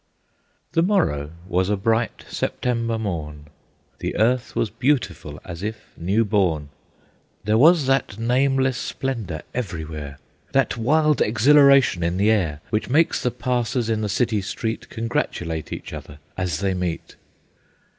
The morrow was a bright September morn; The earth was beautiful as if new born; There was that nameless splendor everywhere, That wild exhilaration in the air, Which makes the passers in the city street Congratulate each other as they meet.